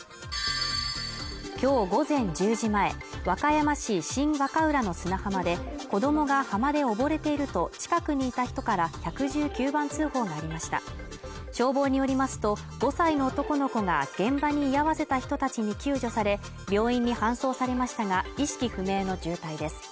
今日午前１０時前和歌山市新和歌浦の砂浜で子供が浜で溺れていると近くにいた人から１１９番通報がありました消防によりますと５歳の男の子が現場に居合わせた人たちに救助され病院に搬送されましたが意識不明の重体です